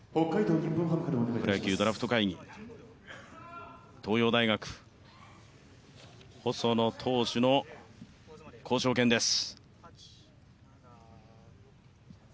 プロ野球ドラフト会議、東洋大学、細野投手の交渉権です。